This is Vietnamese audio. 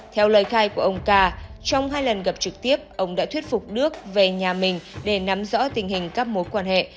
theo lời khai của ông ca trong hai lần gặp trực tiếp ông đã thuyết phục đức về nhà mình để nắm rõ tình hình các mối quan hệ